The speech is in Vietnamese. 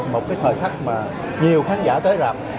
một cái thời khắc mà nhiều khán giả tới rạp